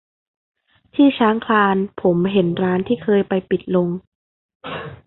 ที่ช้างคลานผมเห็นร้านที่เคยไปปิดลง